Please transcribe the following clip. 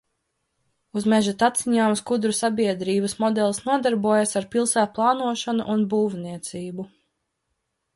Uz meža taciņām skudru sabiedrības modelis nodarbojas ar pilsētplānošanu un būvniecību.